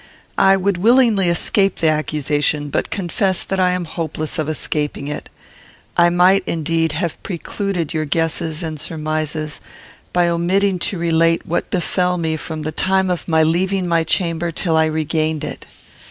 I would willingly escape the accusation, but confess that I am hopeless of escaping it. I might, indeed, have precluded your guesses and surmises by omitting to relate what befell me from the time of my leaving my chamber till I regained it.